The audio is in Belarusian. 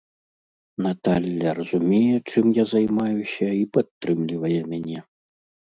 Наталля разумее, чым я займаюся і падтрымлівае мяне.